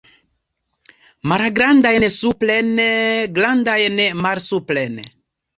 Malgrandajn supren, grandajn malsupren.